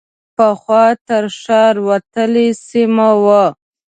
پخوا تر ښار وتلې سیمه وه.